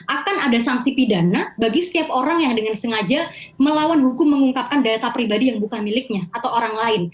akan ada sanksi pidana bagi setiap orang yang dengan sengaja melawan hukum mengungkapkan data pribadi yang bukan miliknya atau orang lain